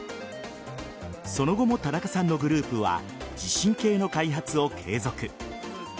その後も田中さんのグループは地震計の開発を継続。